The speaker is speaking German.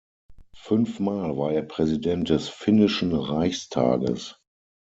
Fünfmal war er Präsident des finnischen Reichstages.